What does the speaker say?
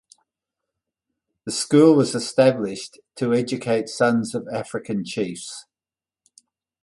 The school was established to educate sons of African Chiefs.